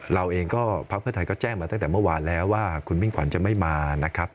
เราเองก็พักเพื่อไทยก็แจ้งมาตั้งแต่เมื่อวานแล้วว่าคุณมิ่งขวัญจะไม่มานะครับ